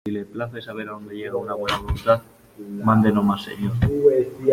si le place saber a dónde llega una buena voluntad, mande no más , señor.